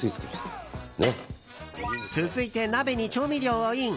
続いて、鍋に調味料をイン。